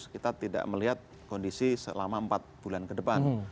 kita tidak melihat kondisi selama empat bulan ke depan